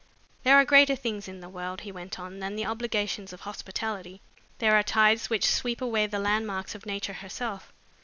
"There are greater things in the world," he went on, "than the obligations of hospitality. There are tides which sweep away the landmarks of nature herself.